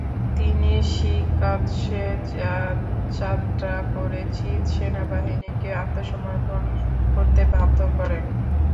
তিনি শিগাৎসে যাত্রা করে চিং সেনাবাহিনীকে আত্মসমর্পণ করতে বাধ্য করেন।